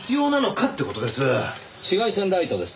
紫外線ライトです。